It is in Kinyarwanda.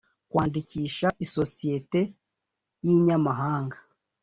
kwandikisha isosiyete y’inyamahanga